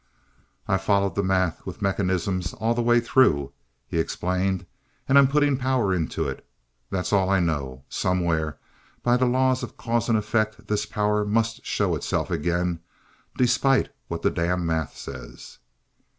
"I've followed the math with mechanism all the way through," he explained, "and I'm putting power into it. That's all I know. Somewhere, by the laws of cause and effect, this power must show itself again despite what the damn math says."